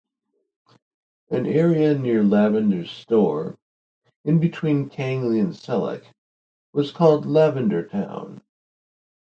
An area near Lavender's store, in between Kangley and Selleck, was called Lavender Town.